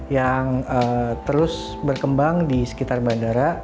yang terus berkembang di sekitar bandara